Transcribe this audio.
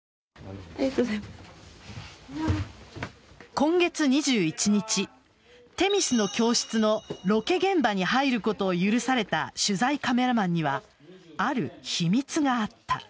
今月２１日「女神の教室」のロケ現場に入ることを許された取材カメラマンにはある秘密があった。